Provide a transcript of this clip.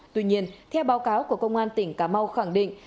tuy nhiên theo báo cáo của công an tỉnh cà mau khẳng định